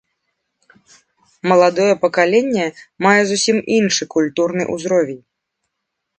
Маладое пакаленне мае зусім іншы культурны ўзровень.